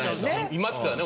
いますからね